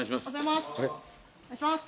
お願いします。